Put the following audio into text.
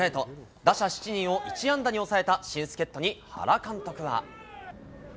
打者７人を１安打に抑えた新助っとに原監督は。